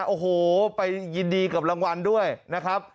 โอ้โหไปยินดีกับรางวัลด้วยนะครับ